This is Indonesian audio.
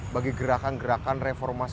bagi gerakan gerakan reformasi